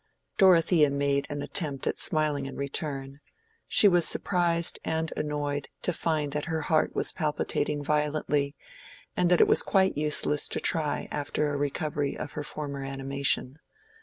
Dorothea made an attempt at smiling in return. She was surprised and annoyed to find that her heart was palpitating violently, and that it was quite useless to try after a recovery of her former animation.